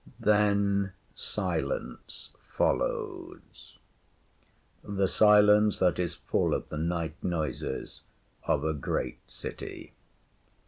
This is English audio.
Then silence follows the silence that is full of the night noises of a great city.